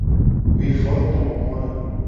Wuivotogoa.